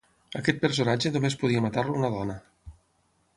Aquest personatge només podia matar-lo una dona.